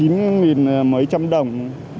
hai mươi chín mấy trăm đồng bốn